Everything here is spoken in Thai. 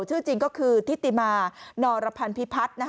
ชื่อจริงก็คือทิติมานรพันธิพัฒน์